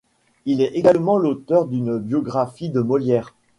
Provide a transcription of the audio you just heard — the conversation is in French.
Il est également l’auteur d’une biographie de Molière.